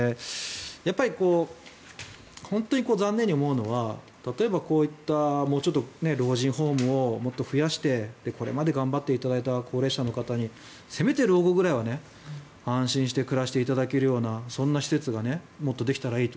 やっぱり本当に残念に思うのは例えば、こういったもうちょっと老人ホームをもっと増やしてこれまで頑張っていただいた高齢者の方にせめて老後ぐらいは安心して暮らしていただけるようなそんな施設がもっとできたらいいと。